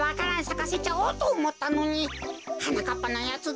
さかせちゃおうとおもったのにはなかっぱのやつ